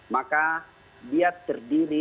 maka dia terdiri